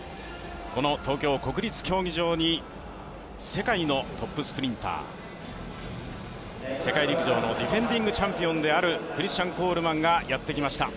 この東京国立競技場に世界のトップスプリンター世界陸上のディフェンディングチャンピオンであるクリスチャン・コールマンがやってきました。